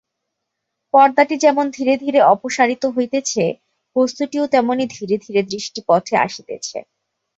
পর্দাটি যেমন ধীরে ধীরে অপসারিত হইতেছে, বস্তুটিও তেমনি ধীরে ধীরে দৃষ্টিপথে আসিতেছে।